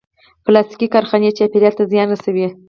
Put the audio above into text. پلاستيکي کارخانې چاپېریال ته زیان رسوي.